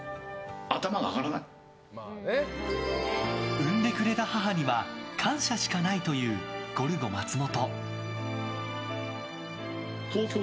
生んでくれた母には感謝しかないというゴルゴ松本。